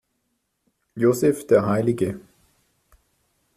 Josef, der Hl.